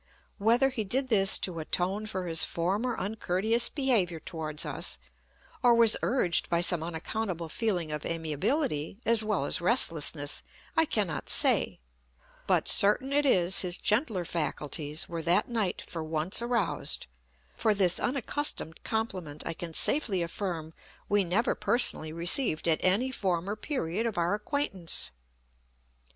Whether he did this to atone for his former uncourteous behaviour towards us, or was urged by some unaccountable feeling of amiability as well as restlessness, I cannot say, but certain it is his gentler faculties were that night for once aroused, for this unaccustomed compliment I can safely affirm we never personally received at any former period of our acquaintance.